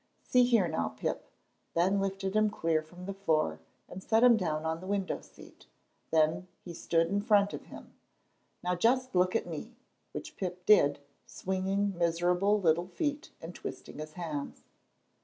"See here now, Pip," Ben lifted him clear from the floor, and set him down on the window seat, then he stood in front of him, "now just look at me," which Pip did, swinging miserable little feet and twisting his hands.